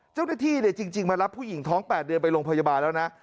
เจ้าหน้าที่จริงมารับผู้หญิงท้อง๘เดือนไปโรงพยาบาลแล้วนะ